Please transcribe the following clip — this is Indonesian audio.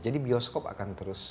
jadi bioskop akan terus